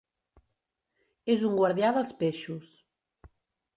És un guardià dels peixos.